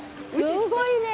すごいね。